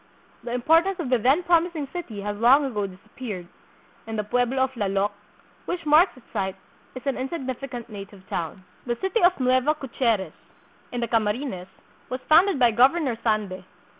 The importance of the then promising city has long ago disappeared, and the pueblo of Lallok, which marks its site, is an insignificant native town. The City of Nueva Caceres, in the Camarines, was founded by Governor Sande.